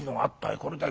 これだい